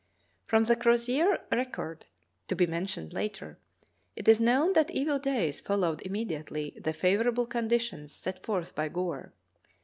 From the Crozier record, to be mentioned later, it is known that evil days followed immediately the favor able conditions set forth by Gore.